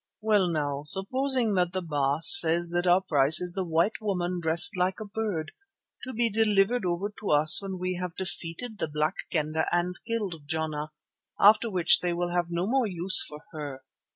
Well now, supposing that the Baas says that our price is the white woman dressed like a bird, to be delivered over to us when we have defeated the Black Kendah and killed Jana—after which they will have no more use for her.